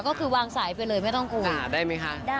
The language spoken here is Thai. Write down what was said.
ก็คือวางสายไปเลยไม่ต้องกลัว